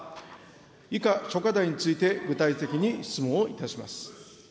以下諸課題について、具体的に質問いたします。